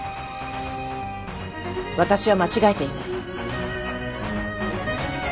私は間違えていない。